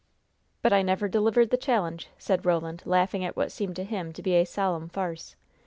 "But I never delivered the challenge," said Roland, laughing at what seemed to him to be a solemn farce.